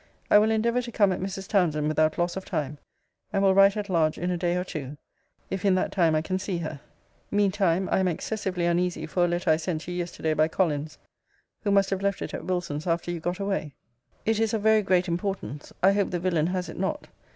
[I will endeavour to come at] Mrs. Townsend without loss of time; and will write at large in a day or two, if in that time I can see her. [Mean time I] am excessively uneasy for a letter I sent you yesterday by Collins, [who must have left it at] Wilson's after you got away. [It is of very] great importance. [I hope the] villain has it not.